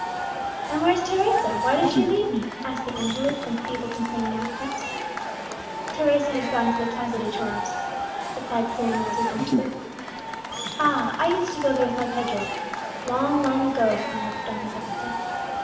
"And where's Teresa? why does she leave me?" asked the invalid, in feeble complaining accents. "Teresa has gone to the Plaza de Toros," replied poor Inez with an effort. "Ah! I used to go there with my Pedro long, long ago," murmured Donna Benita.